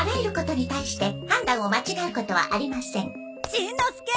しんのすけ！